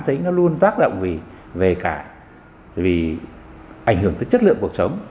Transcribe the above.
thấy nó luôn tác động gì về cả vì ảnh hưởng tới chất lượng cuộc sống